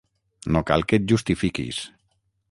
No cal que et justifiquis.